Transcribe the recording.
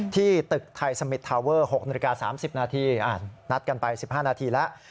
ที่ตึกไทยสมิตรทาเวอร์๖นาฬิกา๓๐นาทีนัดกันไป๑๕นาทีแล้ว